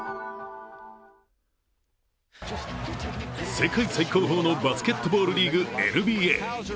世界最高峰のバスケットボールリーグ・ＮＢＡ。